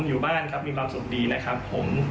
อยู่บ้านครับมีความสุขดีนะครับผม